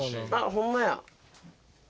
ホンマや。